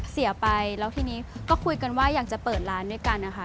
เสียไปแล้วทีนี้ก็คุยกันว่าอยากจะเปิดร้านด้วยกันนะคะ